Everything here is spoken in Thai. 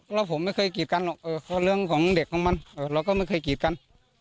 แล้วผมไม่เคยกีดกันหรอกเรื่องของเด็กของมันเราก็ไม่เคยกีดกัน